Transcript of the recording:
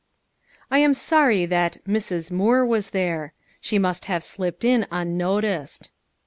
I am sorry that "Mrs. Moore" was there. She must have slipped in unnoticed.